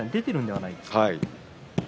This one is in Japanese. はい。